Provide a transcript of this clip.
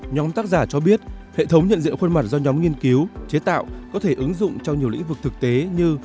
nhóm tác giả cho biết hệ thống nhận diện khuôn mặt do nhóm nghiên cứu chế tạo có thể ứng dụng trong nhiều lĩnh vực thực tế như